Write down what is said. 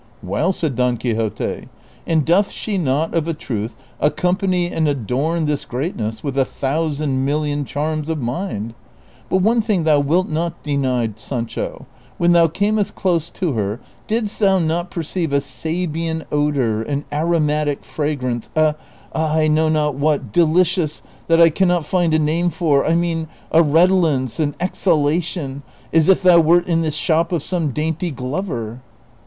" Well !" said Don Quixote, " and doth she not of a truth accompany and adorn this greatness with a thousand million charms of mind ! But one thing thou wilt not deny, Sancho ; when thou earnest close to her didst thou not perceive a Sal sean odor, an aromatic fragrance, a, I know not Avhat, delicious, that I can not find a name for ; I mean a redolence, an exliala tion, as if thou wert in the shop of some dainty glover